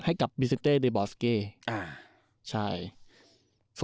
ให้กับตักะดิบอสไกล